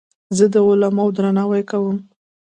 زه د علماوو درناوی کوم.